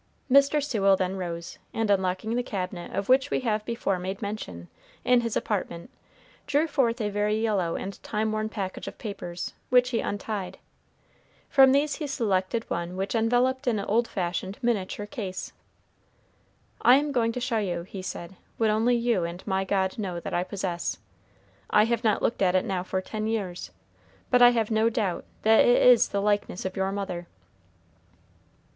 Mr. Sewell then rose, and unlocking the cabinet, of which we have before made mention, in his apartment, drew forth a very yellow and time worn package of papers, which he untied. From these he selected one which enveloped an old fashioned miniature case. "I am going to show you," he said, "what only you and my God know that I possess. I have not looked at it now for ten years, but I have no doubt that it is the likeness of your mother."